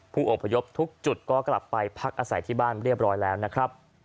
ผู้อพยพทุกจุดก็กลับไปพักอาศัยที่บ้านเรียบร้อยแล้วนะครับ